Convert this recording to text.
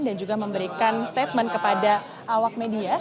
dan juga memberikan statement kepada awak media